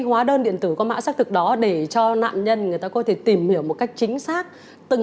hóa đơn điện tử có mã xác thực đó để cho nạn nhân người ta có thể tìm hiểu một cách chính xác từng